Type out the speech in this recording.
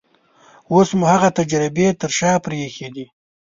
اوس مو هغه تجربې تر شا پرېښې دي.